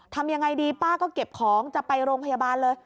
ทำยังไงดีป้าก็เก็บของจะไปโรงพยาบาลเลย